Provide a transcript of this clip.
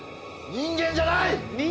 人間じゃない？